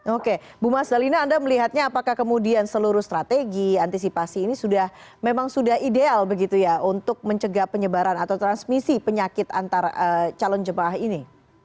oke bu mas dalina anda melihatnya apakah kemudian seluruh strategi antisipasi ini memang sudah ideal begitu ya untuk mencegah penyebaran atau transmisi penyakit antar calon jemaah ini